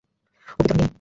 ও কি তোর মেয়ে?